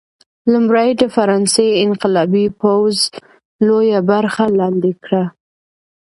لومړی د فرانسې انقلابي پوځ لویه برخه لاندې کړه.